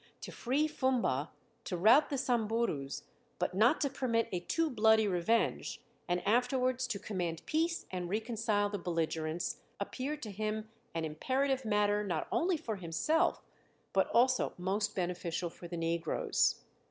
To free Fumba, to rout the Samburus but not to permit a too bloody revenge, and afterwards to command peace and reconcile the belligerents, appeared to him an imperative matter not only for himself but also most beneficial for the negroes.